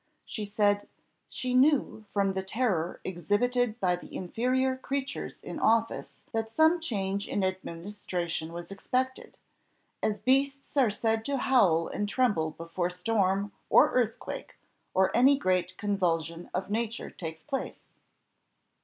She said, "she knew from the terror exhibited by the inferior creatures in office that some change in administration was expected, as beasts are said to howl and tremble before storm, or earthquake, or any great convulsion of nature takes place."